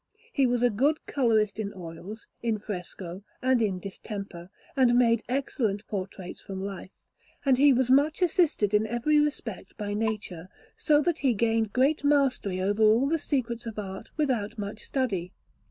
He was a good colourist in oils, in fresco, and in distemper, and made excellent portraits from life; and he was much assisted in every respect by nature, so that he gained great mastery over all the secrets of art without much study.